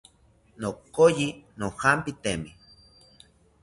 Nokoyi nojampitemi